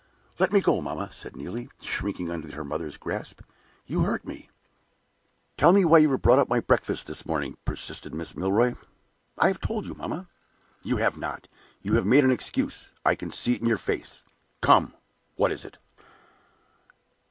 "Let me go, mamma," said Neelie, shrinking under her mother's grasp. "You hurt me." "Tell me why you have brought up my breakfast this morning," persisted Mrs. Milroy. "I have told you, mamma." "You have not! You have made an excuse; I see it in your face. Come! what is it?"